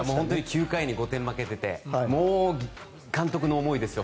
９回に５点負けててもう監督の思いですよ。